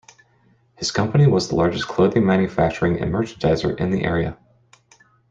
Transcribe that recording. His company was the largest clothing manufacturing and merchandiser in the area.